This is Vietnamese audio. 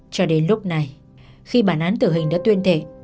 cho đến lúc này khi bản án tử hình đã tuyên thệ